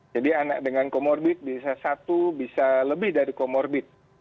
jadi anak dengan komorbit bisa satu bisa lebih dari komorbit